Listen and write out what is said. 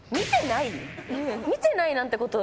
見てないなんてこと。